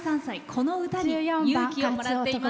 この歌に勇気をもらっています。